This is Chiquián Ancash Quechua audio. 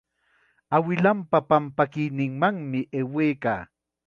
Awilanpa pampakuyninmanmi aywaykan.